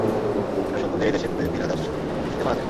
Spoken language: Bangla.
এটা সত্য যে এই দেশে প্রতিদিন তিন হাজার শিশু অপুষ্টিতে মারা যায়।